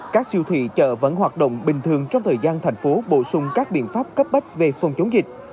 các siêu thị chợ vẫn hoạt động bình thường trong thời gian thành phố bổ sung các biện pháp cấp bách về phòng chống dịch